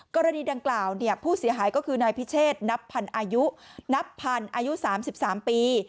กรณีดังกล่าวเนี่ยผู้เสียหายก็คือนายพิเชศนับพันธุ์อายุ๓๓ปี